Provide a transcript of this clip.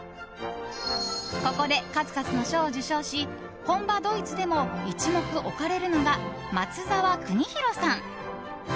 ここで数々の賞を受賞し本場ドイツでも一目置かれるのが松澤州紘さん。